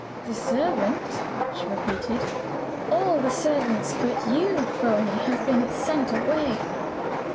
"The servant?" she repeated. "All the servants but you, Bony, have been sent away.